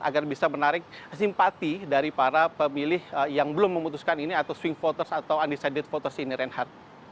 agar bisa menarik simpati dari para pemilih yang belum memutuskan ini atau swing voters atau undecided voters ini reinhardt